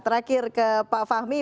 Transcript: terakhir ke pak fahmi